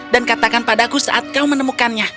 katakan padaku saat kau menemukannya